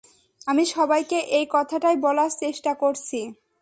আমি সবাইকে এই কথাটাই বলার চেষ্টা করছি।